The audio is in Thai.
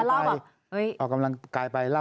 แต่ได้ยินจากคนอื่นแต่ได้ยินจากคนอื่น